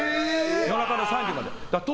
夜中の３時まで。